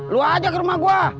lo aja ke rumah gue